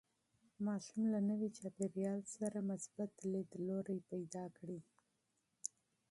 ماشوم له نوي چاپېریال سره مثبت لیدلوری پیدا کړي.